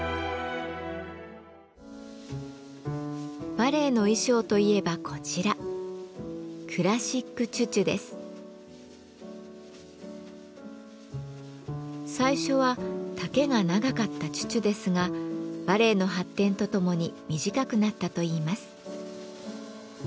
バレエの衣装といえばこちら最初は丈が長かったチュチュですがバレエの発展とともに短くなったといいます。